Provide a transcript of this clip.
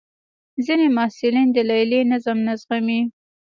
ځینې محصلین د لیلیې نظم نه زغمي.